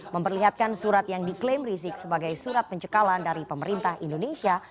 memperlihatkan surat yang diklaim rizik sebagai surat pencekalan dari pemerintah indonesia